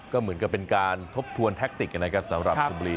ก็เหมือนเป็นการทบทวนนะคะสำหรับชุมบุรี